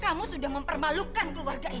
kamu sudah mempermalukan keluarga ini